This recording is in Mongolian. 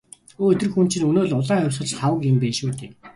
Өө тэр хүн чинь өнөө л «улаан хувьсгалч» Лхагва юм байна шүү дээ.